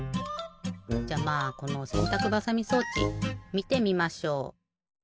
じゃまあこのせんたくばさみ装置みてみましょう！